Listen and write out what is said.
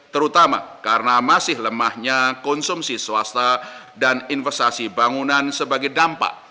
terutama karena masih lemahnya konsumsi swasta dan investasi bangunan sebagai dampak